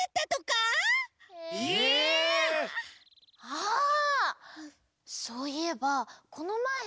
あそういえばこのまえ。